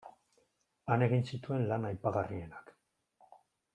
Han egin zituen lan aipagarrienak.